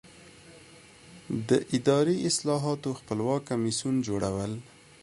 د اداري اصلاحاتو خپلواک کمیسیون جوړول.